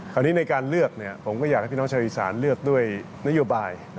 คราวนี้ในการเลือกผมก็อยากให้พี่น้องชาวอีสานเลือกด้วยนโยบาย